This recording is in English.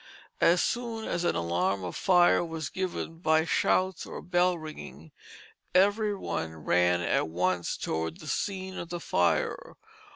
As soon as an alarm of fire was given by shouts or bell ringing, every one ran at once towards the scene of the fire.